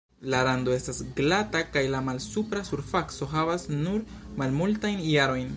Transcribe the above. La rando estas glata kaj la malsupra surfaco havas nur malmultajn harojn.